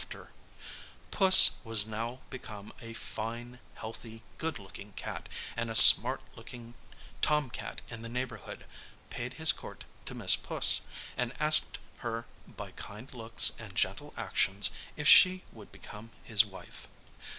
Puss was now become a fine, healthy, good looking cat, and a smart looking Tom Cat in the neighbourhood paid his court to Miss Puss, and asked her by kind looks and gentle actions if she would become his wife.